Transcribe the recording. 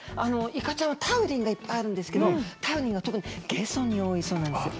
イカちゃんはタウリンがいっぱいあるんですけどタウリンは特にゲソに多いそうなんですよ。